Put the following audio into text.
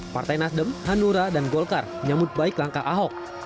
partai nasdem hanura dan golkar menyambut baik langkah ahok